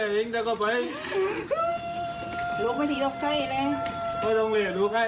นี่ค่ะเดี๋ยวไปดูคลิปนี้กันหน่อย